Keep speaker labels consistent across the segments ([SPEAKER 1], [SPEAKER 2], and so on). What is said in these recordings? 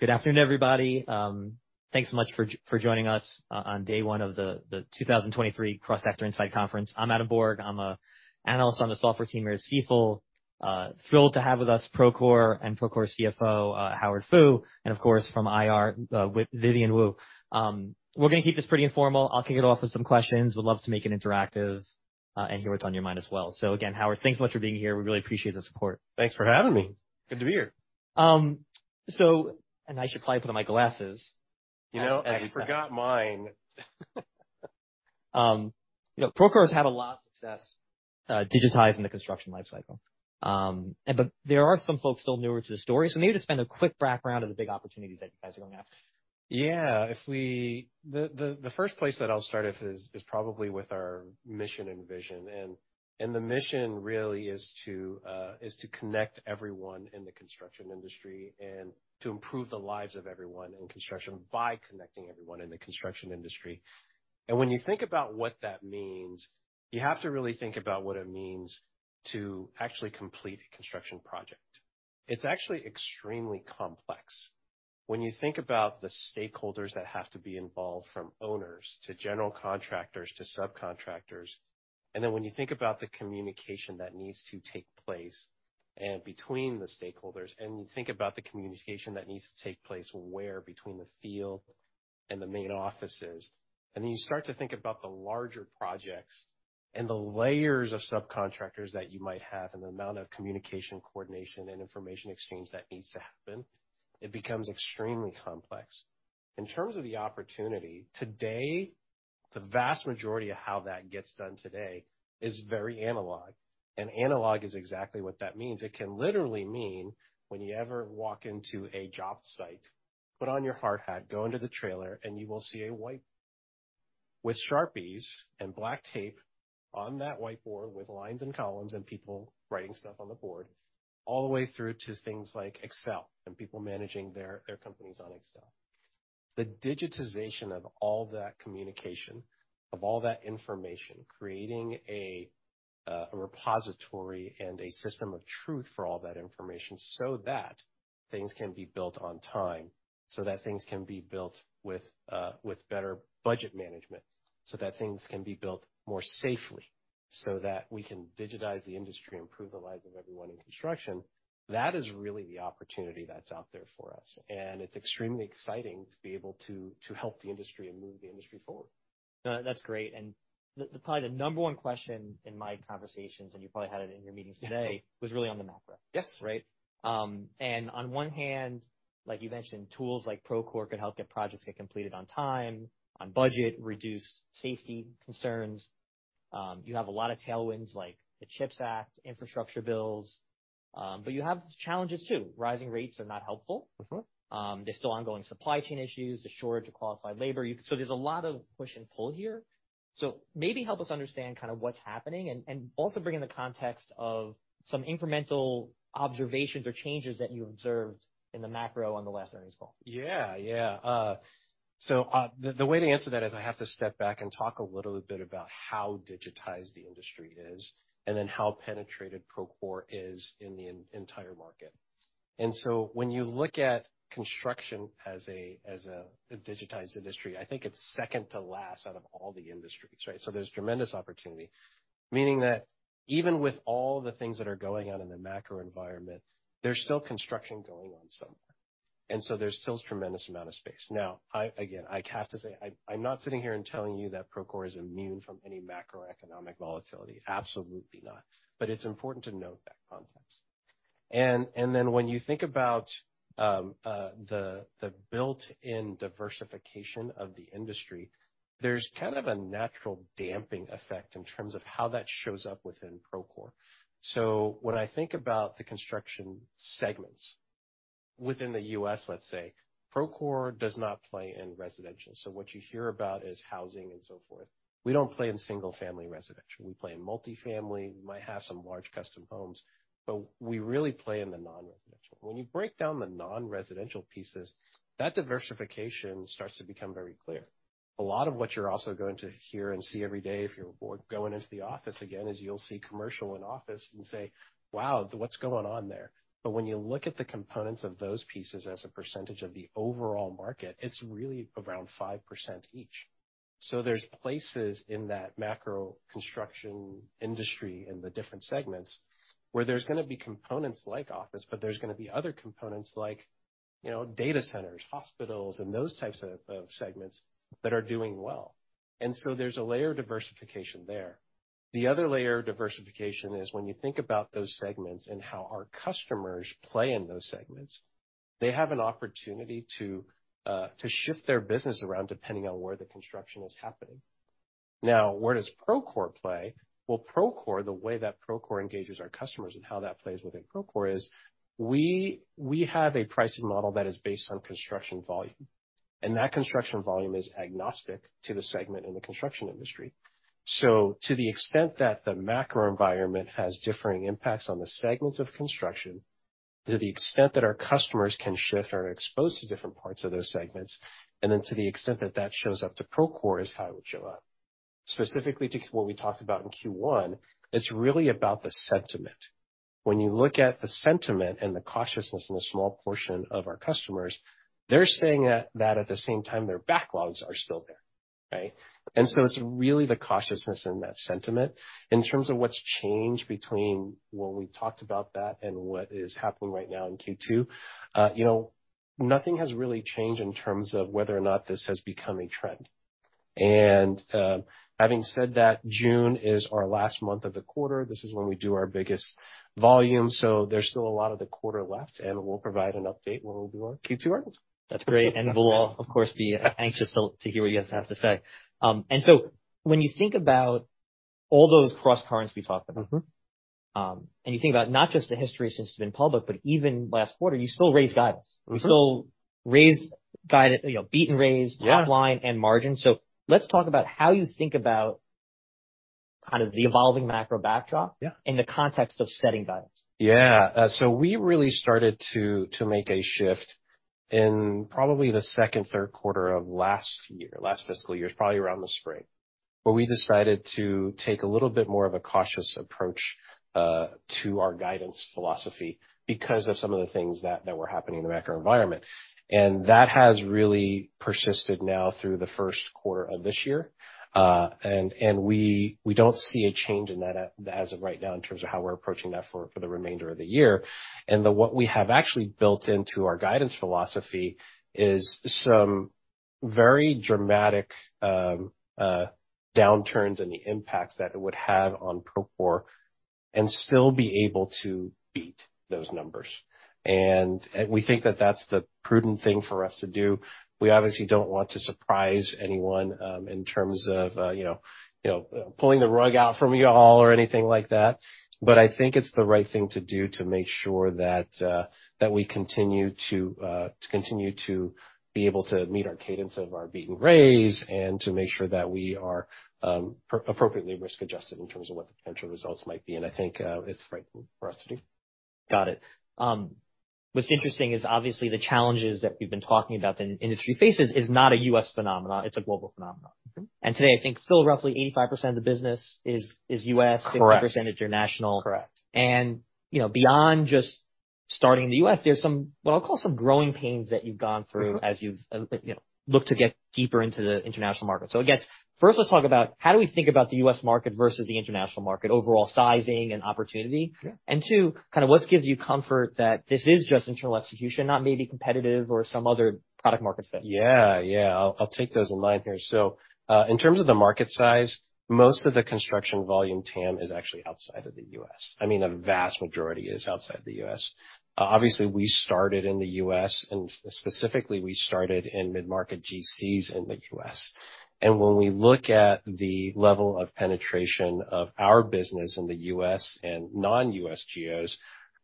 [SPEAKER 1] Good afternoon, everybody. Thanks so much for joining us, on day one of the 2023 Cross Sector Insight Conference. I'm Adam Borg. I'm a analyst on the software team here at Stifel. Thrilled to have with us Procore and Procore CFO, Howard Fu, and of course, from IR, with Vivian Wu. We're gonna keep this pretty informal. I'll kick it off with some questions. Would love to make it interactive, and hear what's on your mind as well. Again, Howard, thanks so much for being here. We really appreciate the support.
[SPEAKER 2] Thanks for having me. Good to be here.
[SPEAKER 1] I should probably put on my glasses.
[SPEAKER 2] You know, I forgot mine.
[SPEAKER 1] you know, Procore has had a lot of success, digitizing the construction life cycle. There are some folks still newer to the story, so maybe just spend a quick background of the big opportunities that you guys are going after.
[SPEAKER 2] Yeah. The first place that I'll start is probably with our mission and vision. The mission really is to connect everyone in the construction industry and to improve the lives of everyone in construction by connecting everyone in the construction industry. When you think about what that means, you have to really think about what it means to actually complete a construction project. It's actually extremely complex. When you think about the stakeholders that have to be involved, from owners to general contractors to subcontractors, then when you think about the communication that needs to take place and between the stakeholders, and you think about the communication that needs to take place, where between the field and the main offices, then you start to think about the larger projects and the layers of subcontractors that you might have, and the amount of communication, coordination, and information exchange that needs to happen, it becomes extremely complex. In terms of the opportunity, today, the vast majority of how that gets done today is very analog. Analog is exactly what that means. It can literally mean when you ever walk into a job site, put on your hard hat, go into the trailer, and you will see a white. With Sharpies and black tape on that whiteboard, with lines and columns and people writing stuff on the board, all the way through to things like Excel and people managing their companies on Excel. The digitization of all that communication, of all that information, creating a repository and a system of truth for all that information, so that things can be built on time, so that things can be built with better budget management, so that things can be built more safely, so that we can digitize the industry and improve the lives of everyone in construction. That is really the opportunity that's out there for us, and it's extremely exciting to be able to help the industry and move the industry forward.
[SPEAKER 1] No, that's great. The, probably the number one question in my conversations, and you probably had it in your meetings today, was really on the macro.
[SPEAKER 2] Yes.
[SPEAKER 1] Right? On one hand, like you mentioned, tools like Procore could help get projects get completed on time, on budget, reduce safety concerns. You have a lot of tailwinds, like the CHIPS Act, infrastructure bills. You have challenges, too. Rising rates are not helpful.
[SPEAKER 2] Mm-hmm.
[SPEAKER 1] There's still ongoing supply chain issues, the shortage of qualified labor. There's a lot of push and pull here. Maybe help us understand kind of what's happening and also bring in the context of some incremental observations or changes that you observed in the macro on the last earnings call.
[SPEAKER 2] Yeah, yeah. The way to answer that is I have to step back and talk a little bit about how digitized the industry is, and then how penetrated Procore is in the entire market. When you look at construction as a digitized industry, I think it's second to last out of all the industries, right? There's tremendous opportunity. Meaning that even with all the things that are going on in the macro environment, there's still construction going on somewhere, there's still tremendous amount of space. I have to say, I'm not sitting here and telling you that Procore is immune from any macroeconomic volatility. Absolutely not. It's important to note that context. Then when you think about the built-in diversification of the industry, there's kind of a natural damping effect in terms of how that shows up within Procore. When I think about the construction segments within the U.S., let's say, Procore does not play in residential. What you hear about is housing and so forth. We don't play in single-family residential. We play in multifamily. We might have some large custom homes, but we really play in the non-residential. When you break down the non-residential pieces, that diversification starts to become very clear. A lot of what you're also going to hear and see every day, if you're going into the office again, is you'll see commercial and office and say: Wow, what's going on there? When you look at the components of those pieces as a percentage of the overall market, it's really around 5% each. There's places in that macro construction industry, in the different segments, where there's gonna be components like office, but there's gonna be other components like, you know, data centers, hospitals, and those types of segments that are doing well. There's a layer of diversification there. The other layer of diversification is when you think about those segments and how our customers play in those segments, they have an opportunity to shift their business around, depending on where the construction is happening. Now, where does Procore play? Procore, the way that Procore engages our customers and how that plays within Procore is we have a pricing model that is based on construction volume, and that construction volume is agnostic to the segment in the construction industry. To the extent that the macro environment has differing impacts on the segments of construction, to the extent that our customers can shift or are exposed to different parts of those segments, and then to the extent that that shows up to Procore, is how it would show up. Specifically to what we talked about in Q1, it's really about the sentiment. When you look at the sentiment and the cautiousness in a small portion of our customers, they're saying that at the same time, their backlogs are still there, right? It's really the cautiousness and that sentiment. In terms of what's changed between when we talked about that and what is happening right now in Q2, you know, nothing has really changed in terms of whether or not this has become a trend. Having said that, June is our last month of the quarter. This is when we do our biggest volume, so there's still a lot of the quarter left, and we'll provide an update when we do our Q2 earnings.
[SPEAKER 1] That's great, and we'll all, of course, be anxious to hear what you guys have to say. When you think about all those crosscurrents we talked about.
[SPEAKER 2] Mm-hmm.
[SPEAKER 1] You think about not just the history since you've been public, but even last quarter, you still raised guidance.
[SPEAKER 2] Mm-hmm.
[SPEAKER 1] You still raised guidance, you know, beat and raised.
[SPEAKER 2] Yeah.
[SPEAKER 1] Top line and margin. let's talk about how you think about kind of the evolving macro backdrop.
[SPEAKER 2] Yeah.
[SPEAKER 1] In the context of setting guidance.
[SPEAKER 2] Yeah. We really started to make a shift in probably the second, third quarter of last year, last fiscal year, probably around the spring, where we decided to take a little bit more of a cautious approach to our guidance philosophy because of some of the things that were happening in the macro environment. That has really persisted now through the first quarter of this year. And we don't see a change in that as of right now, in terms of how we're approaching that for the remainder of the year. What we have actually built into our guidance philosophy is some very dramatic downturns in the impacts that it would have on Procore, and still be able to beat those numbers. We think that that's the prudent thing for us to do. We obviously don't want to surprise anyone, in terms of, you know, pulling the rug out from you all or anything like that. I think it's the right thing to do to make sure that we continue to be able to meet our cadence of our beat and raise, and to make sure that we are appropriately risk adjusted in terms of what the potential results might be. I think, it's the right thing for us to do.
[SPEAKER 1] Got it. What's interesting is obviously the challenges that we've been talking about the industry faces is not a U.S. phenomenon, it's a global phenomenon.
[SPEAKER 2] Mm-hmm.
[SPEAKER 1] Today, I think still roughly 85% of the business is.
[SPEAKER 2] Correct.
[SPEAKER 1] 16% international.
[SPEAKER 2] Correct.
[SPEAKER 1] You know, beyond just starting in the U.S., there's some, what I'll call some growing pains that you've gone through.
[SPEAKER 2] Mm-hmm.
[SPEAKER 1] As you've, you know, looked to get deeper into the international market. I guess, first, let's talk about how do we think about the U.S. market versus the international market, overall sizing and opportunity?
[SPEAKER 2] Yeah.
[SPEAKER 1] Two, kind of what gives you comfort that this is just internal execution, not maybe competitive or some other product market fit?
[SPEAKER 2] Yeah, yeah. I'll take those in line here. In terms of the market size, most of the construction volume TAM is actually outside of the U.S. I mean, a vast majority is outside the U.S. Obviously, we started in the U.S., and specifically we started in mid-market GCs in the U.S. When we look at the level of penetration of our business in the U.S. and non-U.S. geos,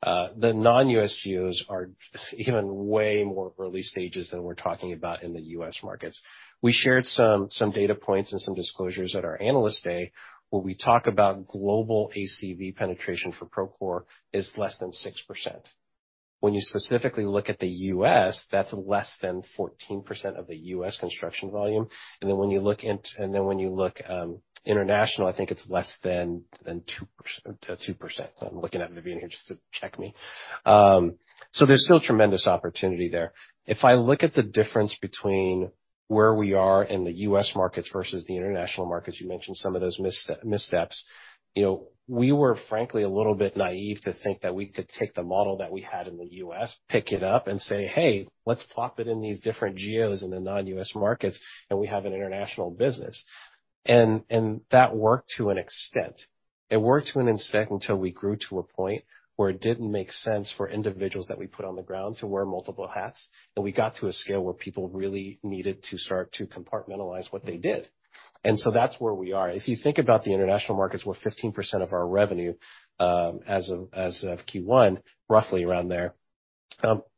[SPEAKER 2] the non-U.S. geos are even way more early stages than we're talking about in the U.S. markets. We shared some data points and some disclosures at our Analyst Day, where we talk about global ACV penetration for Procore is less than 6%. When you specifically look at the U.S., that's less than 14% of the U.S. construction volume. When you look, international, I think it's less than 2%. I'm looking at Vivian here just to check me. There's still tremendous opportunity there. If I look at the difference between where we are in the U.S. markets versus the international markets, you mentioned some of those missteps. You know, we were frankly a little bit naive to think that we could take the model that we had in the U.S., pick it up and say, "Hey, let's plop it in these different geos in the non-U.S. markets, and we have an international business." That worked to an extent. It worked to an extent until we grew to a point where it didn't make sense for individuals that we put on the ground to wear multiple hats, and we got to a scale where people really needed to start to compartmentalize what they did. That's where we are. If you think about the international markets, we're 15% of our revenue, as of Q1, roughly around there.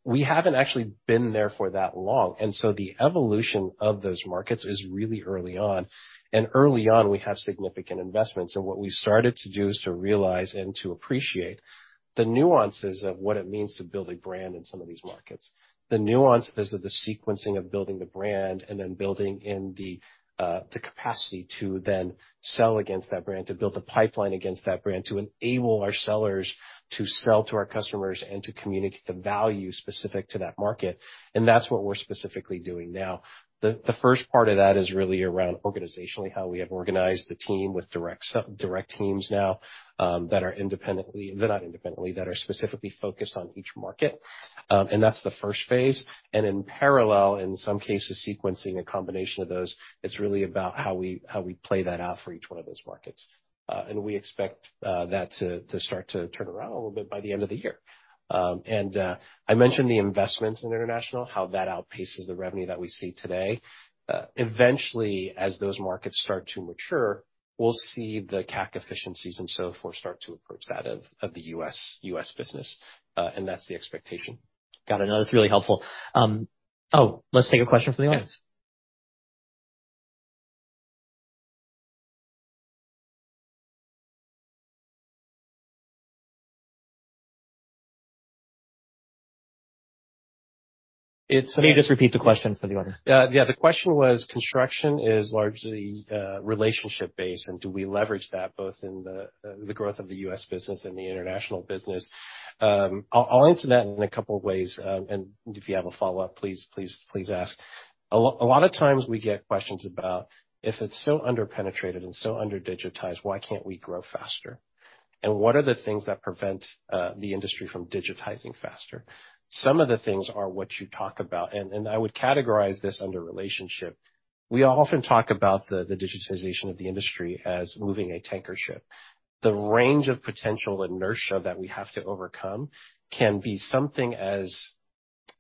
[SPEAKER 2] We haven't actually been there for that long, and so the evolution of those markets is really early on. Early on, we have significant investments, and what we started to do is to realize and to appreciate the nuances of what it means to build a brand in some of these markets. The nuances of the sequencing of building the brand and then building in the capacity to then sell against that brand, to build a pipeline against that brand, to enable our sellers to sell to our customers and to communicate the value specific to that market. That's what we're specifically doing now. The first part of that is really around organizationally, how we have organized the team with direct sub, direct teams now that are specifically focused on each market. That's the first phase. In parallel, in some cases, sequencing a combination of those, it's really about how we, how we play that out for each one of those markets. We expect that to start to turn around a little bit by the end of the year. I mentioned the investments in international, how that outpaces the revenue that we see today. Eventually, as those markets start to mature, we'll see the CAC efficiencies and so forth start to approach that of the U.S. business, and that's the expectation.
[SPEAKER 1] Got it. No, that's really helpful. Let's take a question from the audience. Can you just repeat the question for the audience?
[SPEAKER 2] Yeah, the question was, construction is largely relationship-based, and do we leverage that both in the growth of the U.S. business and the international business? I'll answer that in a couple of ways. If you have a follow-up, please, please ask. A lot of times we get questions about if it's so under-penetrated and so under-digitized, why can't we grow faster? What are the things that prevent the industry from digitizing faster? Some of the things are what you talk about, and I would categorize this under relationship. We often talk about the digitization of the industry as moving a tanker ship. The range of potential inertia that we have to overcome can be something as,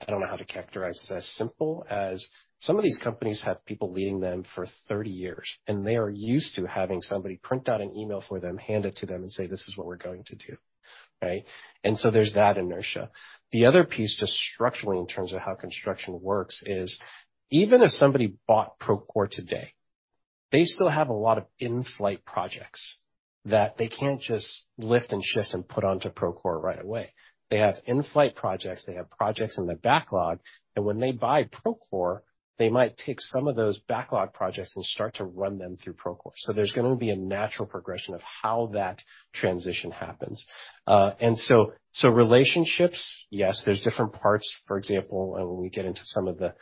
[SPEAKER 2] I don't know how to characterize this, as simple as some of these companies have people leading them for 30 years, and they are used to having somebody print out an email for them, hand it to them, and say, "This is what we're going to do." Right? There's that inertia. The other piece, just structurally, in terms of how construction works, is even if somebody bought Procore today, they still have a lot of in-flight projects that they can't just lift and shift and put onto Procore right away. They have in-flight projects, they have projects in their backlog. When they buy Procore, they might take some of those backlog projects and start to run them through Procore. There's gonna be a natural progression of how that transition happens. Relationships, yes, there's different parts. For example, and when we get into some of the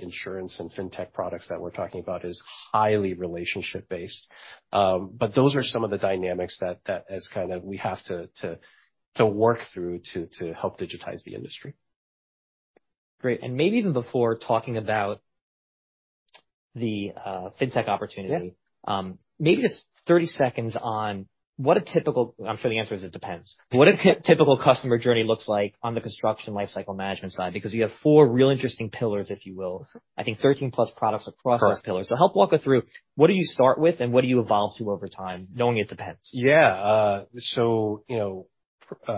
[SPEAKER 2] insurance and fintech products that we're talking about is highly relationship based. Those are some of the dynamics that as kind of we have to work through to help digitize the industry.
[SPEAKER 1] Great. Maybe even before talking about the fintech opportunity-
[SPEAKER 2] Yeah.
[SPEAKER 1] Maybe just 30 seconds on what a typical. I'm sure the answer is it depends. What a typical customer journey looks like on the construction lifecycle management side, because you have four real interesting pillars, if you will. I think 13+ products across those pillars.
[SPEAKER 2] Correct.
[SPEAKER 1] Help walk us through, what do you start with, and what do you evolve to over time, knowing it depends?
[SPEAKER 2] Yeah. you know,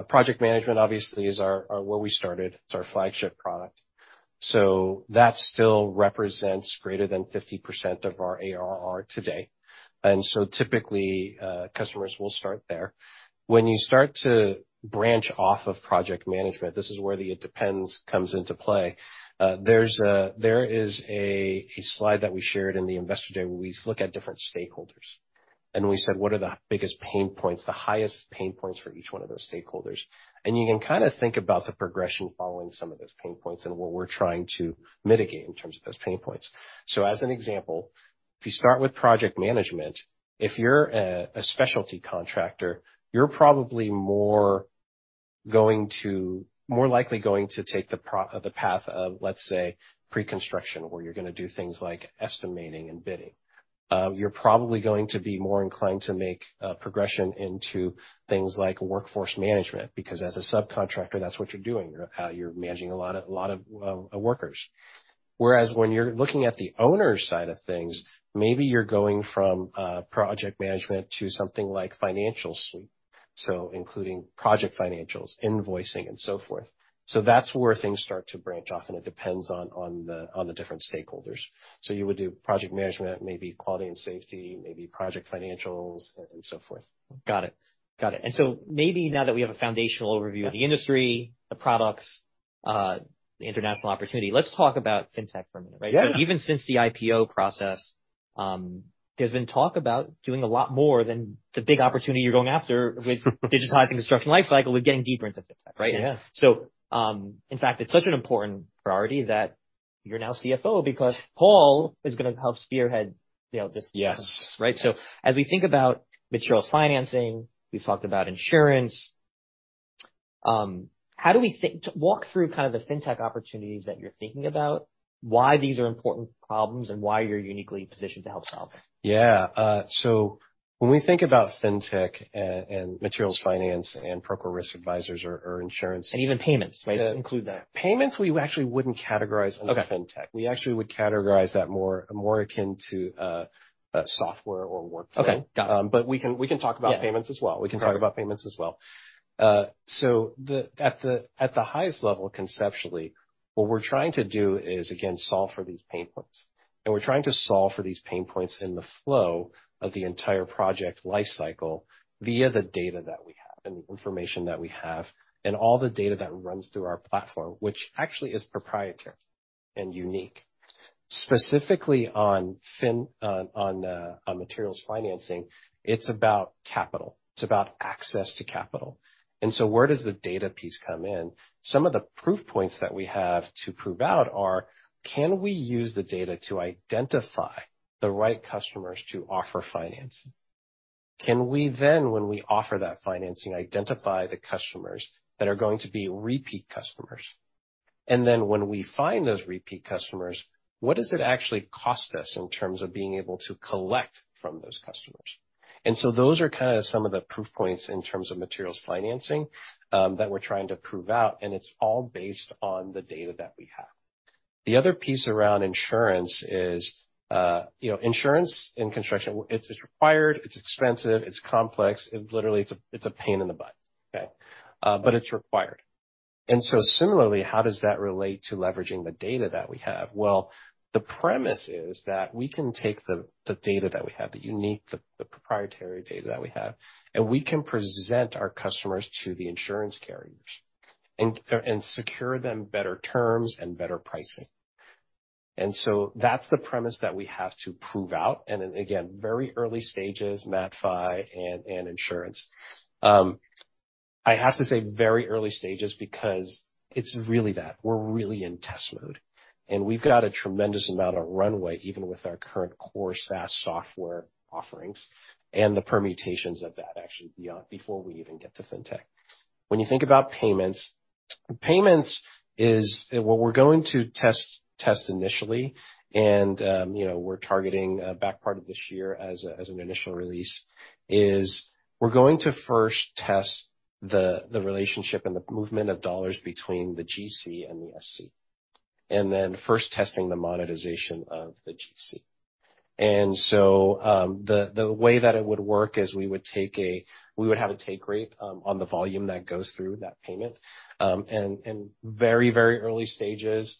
[SPEAKER 2] project management obviously is our where we started. It's our flagship product. That still represents greater than 50% of our ARR today, typically, customers will start there. When you start to branch off of project management, this is where the it depends, comes into play. there is a slide that we shared in the Analyst Day, where we look at different stakeholders, and we said: What are the biggest pain points, the highest pain points for each one of those stakeholders? you can kind of think about the progression following some of those pain points and what we're trying to mitigate in terms of those pain points. As an example, if you start with project management, if you're a specialty contractor, you're probably more likely going to take the path of, let's say, preconstruction, where you're gonna do things like estimating and bidding. You're probably going to be more inclined to make progression into things like workforce management, because as a subcontractor, that's what you're doing. You're managing a lot of workers. Whereas when you're looking at the owner's side of things, maybe you're going from project management to something like financial suite, so including project financials, invoicing, and so forth. That's where things start to branch off, and it depends on the different stakeholders. You would do project management, maybe quality and safety, maybe project financials, and so forth.
[SPEAKER 1] Got it. Got it.
[SPEAKER 2] Yeah.
[SPEAKER 1] Maybe now that we have a foundational overview of the industry-
[SPEAKER 2] Yeah
[SPEAKER 1] the products, the international opportunity, let's talk about fintech for a minute, right?
[SPEAKER 2] Yeah.
[SPEAKER 1] Even since the IPO process, there's been talk about doing a lot more than the big opportunity you're going after with digitizing the construction life cycle, with getting deeper into fintech, right?
[SPEAKER 2] Yeah.
[SPEAKER 1] in fact, it's such an important priority that you're now CFO, because Paul is gonna help spearhead, you know, this.
[SPEAKER 2] Yes.
[SPEAKER 1] Right. As we think about materials financing, we've talked about insurance. How do we walk through kind of the fintech opportunities that you're thinking about, why these are important problems, and why you're uniquely positioned to help solve them.
[SPEAKER 2] Yeah. When we think about fintech and materials finance and Procore Risk Advisors or insurance.
[SPEAKER 1] Even payments, right? Include that.
[SPEAKER 2] Payments, we actually wouldn't categorize under fintech.
[SPEAKER 1] Okay.
[SPEAKER 2] We actually would categorize that more akin to software or workflow.
[SPEAKER 1] Okay. Got it.
[SPEAKER 2] We can talk about payments as well.
[SPEAKER 1] Yeah.
[SPEAKER 2] We can talk about payments as well. At the highest level, conceptually, what we're trying to do is, again, solve for these pain points, and we're trying to solve for these pain points in the flow of the entire project life cycle via the data that we have and the information that we have, and all the data that runs through our platform, which actually is proprietary and unique. Specifically on materials financing, it's about capital. It's about access to capital. Where does the data piece come in? Some of the proof points that we have to prove out are: Can we use the data to identify the right customers to offer financing? Can we then, when we offer that financing, identify the customers that are going to be repeat customers? When we find those repeat customers, what does it actually cost us in terms of being able to collect from those customers? Those are kind of some of the proof points in terms of materials financing that we're trying to prove out, and it's all based on the data that we have. The other piece around insurance is, you know, insurance and construction, it's required, it's expensive, it's complex. It literally, it's a pain in the butt, okay? It's required. Similarly, how does that relate to leveraging the data that we have? Well, the premise is that we can take the data that we have, the unique, the proprietary data that we have, and we can present our customers to the insurance carriers and secure them better terms and better pricing. That's the premise that we have to prove out. Then again, very early stages, MatFi and insurance. I have to say very early stages because we're really in test mode, and we've got a tremendous amount of runway, even with our current core SaaS software offerings and the permutations of that, actually, beyond, before we even get to fintech. When you think about payments is what we're going to test initially, and, you know, we're targeting back part of this year as an initial release, is we're going to first test the relationship and the movement of dollars between the GC and the SC, and then first testing the monetization of the GC. The way that it would work is we would have a take rate on the volume that goes through that payment. Very, very early stages,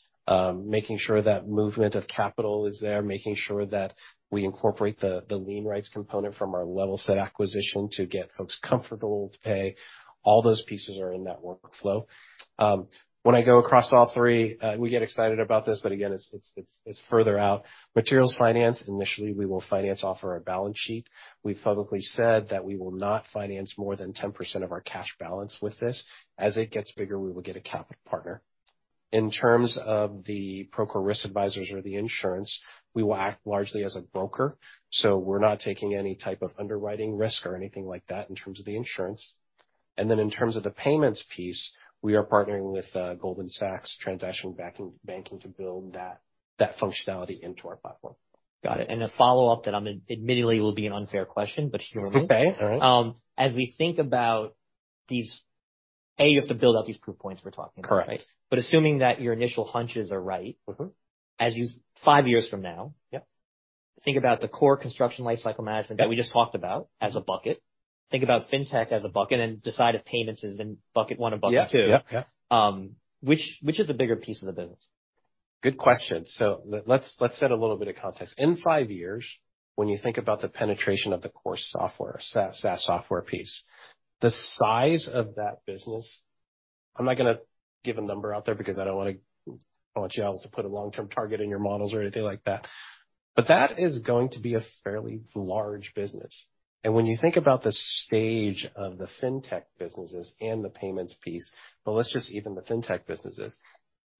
[SPEAKER 2] making sure that movement of capital is there, making sure that we incorporate the lien rights component from our Levelset acquisition to get folks comfortable with pay. All those pieces are in that workflow. When I go across all three, we get excited about this, but again, it's, it's further out. Materials finance. Initially, we will finance off our balance sheet. We've publicly said that we will not finance more than 10% of our cash balance with this. As it gets bigger, we will get a capital partner. In terms of the Procore Risk Advisors or the insurance, we will act largely as a broker, so we're not taking any type of underwriting risk or anything like that in terms of the insurance. In terms of the payments piece, we are partnering with Goldman Sachs Transaction Banking to build that functionality into our platform.
[SPEAKER 1] Got it. A follow-up that I'm admittedly will be an unfair question, but hear me okay.
[SPEAKER 2] All right.
[SPEAKER 1] As we think about these, A, you have to build out these proof points we're talking about.
[SPEAKER 2] Correct.
[SPEAKER 1] Assuming that your initial hunches are right.
[SPEAKER 2] Mm-hmm.
[SPEAKER 1] five years from now.
[SPEAKER 2] Yep.
[SPEAKER 1] Think about the core construction lifecycle management that we just talked about as a bucket. Think about fintech as a bucket and decide if payments is in bucket one or bucket two.
[SPEAKER 2] Yep.
[SPEAKER 1] Which is a bigger piece of the business?
[SPEAKER 2] Good question. Let's, let's set a little bit of context. In five years, when you think about the penetration of the core software, SaaS software piece, the size of that business, I'm not gonna give a number out there because I don't wanna, I want you all to put a long-term target in your models or anything like that. That is going to be a fairly large business. When you think about the stage of the Fintech businesses and the payments piece, but let's just even the Fintech businesses,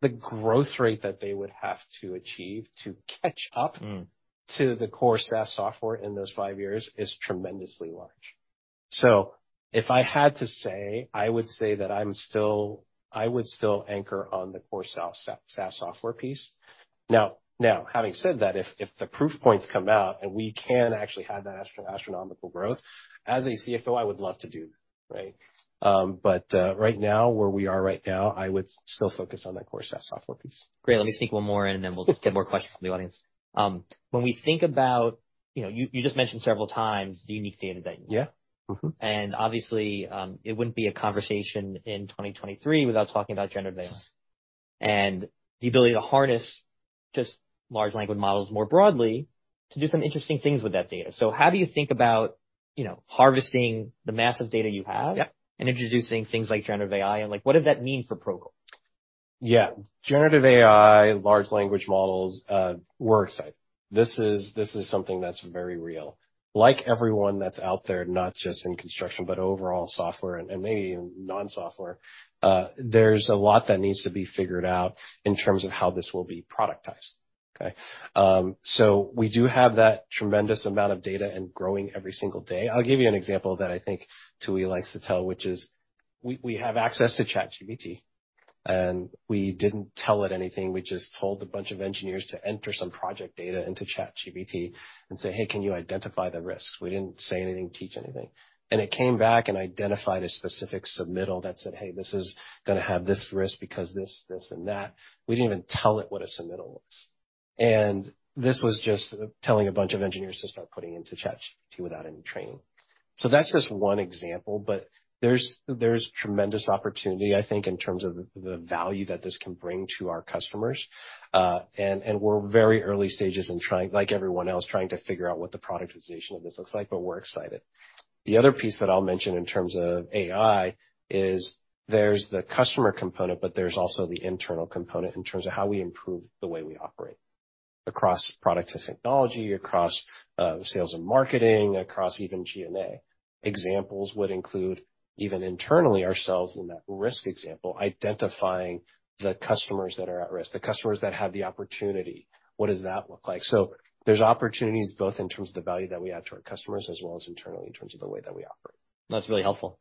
[SPEAKER 2] the growth rate that they would have to achieve to catch up.
[SPEAKER 1] Mm.
[SPEAKER 2] To the core SaaS software in those five years is tremendously large. If I had to say, I would say that I would still anchor on the core SaaS software piece. Now, having said that, if the proof points come out and we can actually have that astronomical growth, as a CFO, I would love to do that, right? Right now, where we are right now, I would still focus on that core SaaS software piece.
[SPEAKER 1] Great. Let me sneak one more in. We'll get more questions from the audience. When we think about. You know, you just mentioned several times the unique data that you have.
[SPEAKER 2] Yeah. Mm-hmm.
[SPEAKER 1] Obviously, it wouldn't be a conversation in 2023 without talking about generative AI and the ability to harness just large language models more broadly to do some interesting things with that data. How do you think about, you know, harvesting the massive data?
[SPEAKER 2] Yep.
[SPEAKER 1] Introducing things like generative AI. Like, what does that mean for Procore?
[SPEAKER 2] Generative AI, large language models, we're excited. This is something that's very real. Like everyone that's out there, not just in construction, but overall software and maybe even non-software, there's a lot that needs to be figured out in terms of how this will be productized. Okay? So we do have that tremendous amount of data and growing every single day. I'll give you an example that I think Tooey likes to tell, which is we have access to ChatGPT. We didn't tell it anything. We just told a bunch of engineers to enter some project data into ChatGPT and say, "Hey, can you identify the risks?" We didn't say anything, teach anything. It came back and identified a specific submittal that said, "Hey, this is gonna have this risk because this and that." We didn't even tell it what a submittal was, and this was just telling a bunch of engineers to start putting into ChatGPT without any training. That's just one example, but there's tremendous opportunity, I think, in terms of the value that this can bring to our customers. And we're very early stages in trying, like everyone else, trying to figure out what the productization of this looks like, but we're excited. The other piece that I'll mention in terms of AI is there's the customer component, but there's also the internal component in terms of how we improve the way we operate across product to technology, across sales and marketing, across even G&A. Examples would include, even internally ourselves in that risk example, identifying the customers that are at risk, the customers that have the opportunity. What does that look like? There's opportunities both in terms of the value that we add to our customers, as well as internally, in terms of the way that we operate.
[SPEAKER 1] That's really helpful.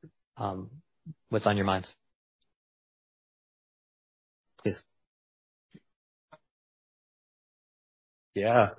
[SPEAKER 1] What's on your minds? Please.
[SPEAKER 2] Yeah.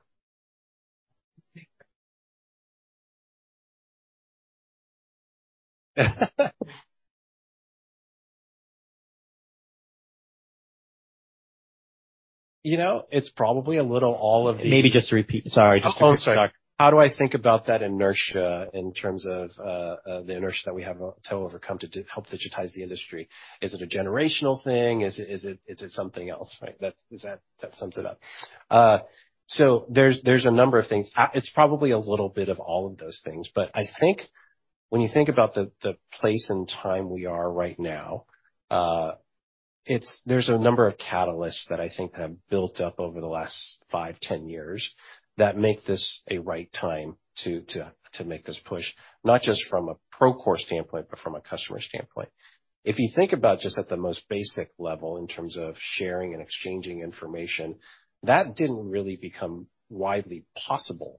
[SPEAKER 2] You know, it's probably a little all of.
[SPEAKER 1] Maybe just to repeat.
[SPEAKER 2] Oh, I'm sorry. How do I think about that inertia in terms of the inertia that we have to overcome to help digitize the industry? Is it a generational thing? Is it something else, right? That sums it up. There's a number of things. It's probably a little bit of all of those things, but I think when you think about the place and time we are right now, there's a number of catalysts that I think have built up over the last five, 10 years that make this a right time to make this push, not just from a Procore standpoint, but from a customer standpoint. If you think about just at the most basic level in terms of sharing and exchanging information, that didn't really become widely possible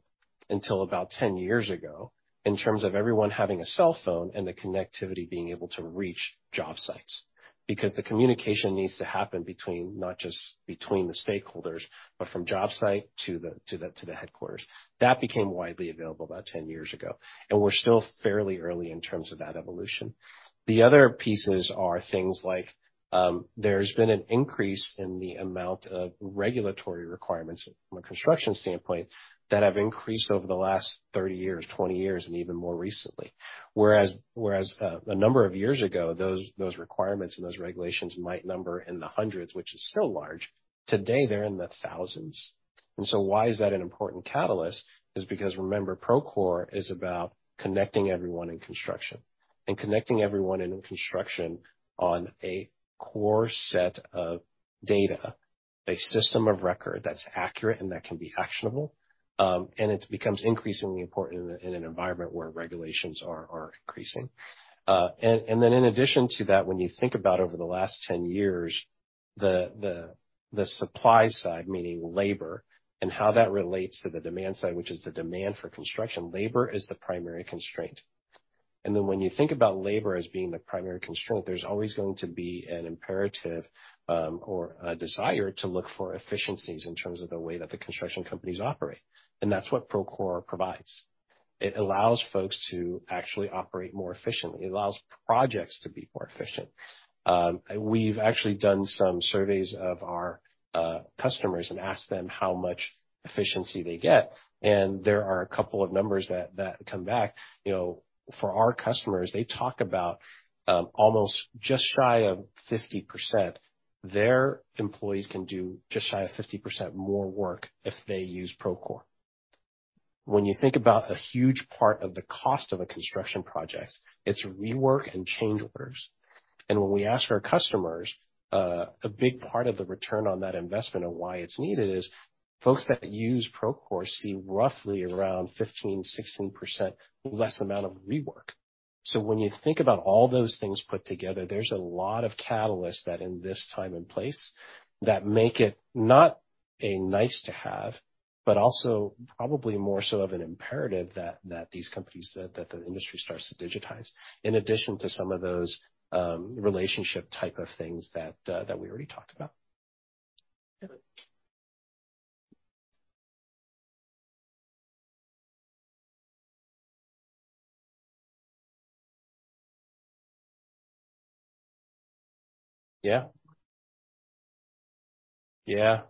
[SPEAKER 2] until about 10 years ago, in terms of everyone having a cell phone and the connectivity being able to reach job sites. The communication needs to happen between, not just between the stakeholders, but from job site to the headquarters. That became widely available about 10 years ago. We're still fairly early in terms of that evolution. The other pieces are things like, there's been an increase in the amount of regulatory requirements from a construction standpoint that have increased over the last 30 years, 20 years, and even more recently. Whereas, a number of years ago, those requirements and those regulations might number in the hundreds, which is still large. Today, they're in the thousands. Why is that an important catalyst? Is because, remember, Procore is about connecting everyone in construction and connecting everyone in construction on a core set of data, a system of record that's accurate and that can be actionable. It becomes increasingly important in an environment where regulations are increasing. In addition to that, when you think about over the last 10 years, the supply side, meaning labor, and how that relates to the demand side, which is the demand for construction, labor is the primary constraint. When you think about labor as being the primary constraint, there's always going to be an imperative, or a desire to look for efficiencies in terms of the way that the construction companies operate, and that's what Procore provides. It allows folks to actually operate more efficiently. It allows projects to be more efficient. We've actually done some surveys of our customers and asked them how much efficiency they get, and there are a couple of numbers that come back. You know, for our customers, they talk about almost just shy of 50%. Their employees can do just shy of 50% more work if they use Procore. When you think about a huge part of the cost of a construction project, it's rework and change orders. When we ask our customers, a big part of the return on that investment and why it's needed is, folks that use Procore see roughly around 15%-16% less amount of rework. When you think about all those things put together, there's a lot of catalysts that in this time and place, that make it not a nice to have, but also probably more so of an imperative that these companies, that the industry starts to digitize, in addition to some of those relationship type of things that we already talked about. Yeah. Yeah.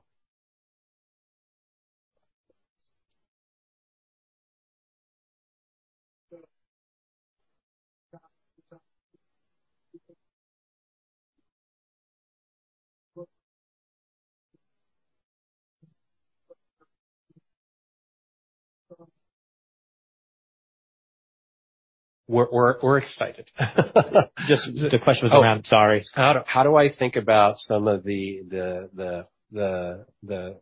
[SPEAKER 2] We're excited.
[SPEAKER 1] Just the question was around, sorry.
[SPEAKER 2] How do I think about some of the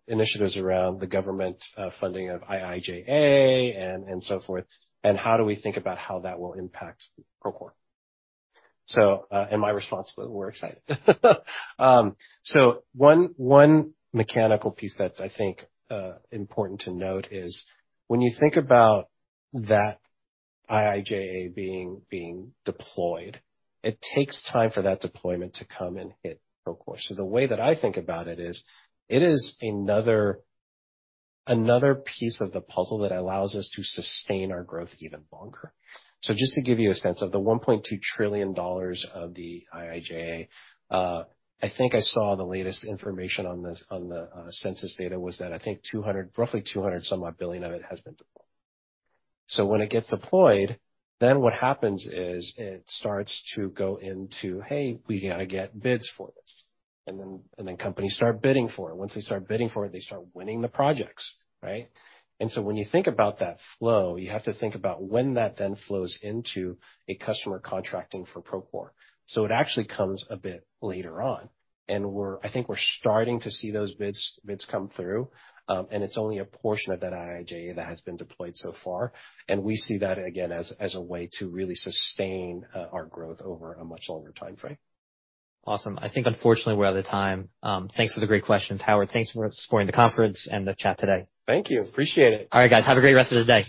[SPEAKER 2] initiatives around the government funding of IIJA and so forth, and how do we think about how that will impact Procore? In my response, we're excited. One mechanical piece that's, I think, important to note is when you think about that IIJA being deployed, it takes time for that deployment to come and hit Procore. The way that I think about it is, it is another piece of the puzzle that allows us to sustain our growth even longer. Just to give you a sense, of the $1.2 trillion of the IIJA, I think I saw the latest information on the census data was that I think roughly $200 billion of it has been deployed. When it gets deployed, then what happens is it starts to go into, "Hey, we got to get bids for this." Then companies start bidding for it. Once they start bidding for it, they start winning the projects, right? When you think about that flow, you have to think about when that then flows into a customer contracting for Procore. It actually comes a bit later on, I think we're starting to see those bids come through. It's only a portion of that IIJA that has been deployed so far. We see that again as a way to really sustain our growth over a much longer time frame.
[SPEAKER 1] Awesome. I think unfortunately, we're out of time. Thanks for the great questions. Howard, thanks for supporting the conference and the chat today.
[SPEAKER 2] Thank you. Appreciate it.
[SPEAKER 1] All right, guys. Have a great rest of the day.